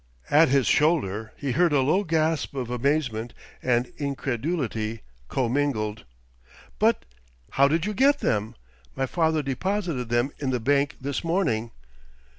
At his shoulder he heard a low gasp of amazement and incredulity commingled. "But ! How did you get them? My father deposited them in bank this morning?"